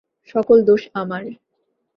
সকল দোষ আমার।